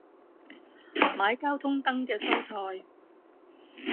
買交通燈嘅蔬菜